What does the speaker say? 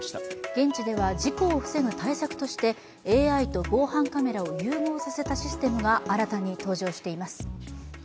現地では、事故を防ぐ対策としてＡＩと防犯カメラを融合させたシステムが新たに登場しています。